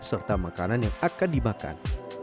serta makanan yang akan dimakan